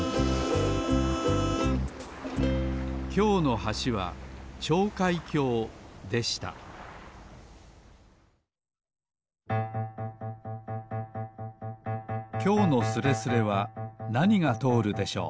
きょうの橋は跳開橋でしたきょうのスレスレはなにがとおるでしょう